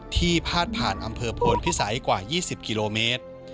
พาดผ่านอำเภอโพนพิสัยกว่า๒๐กิโลเมตร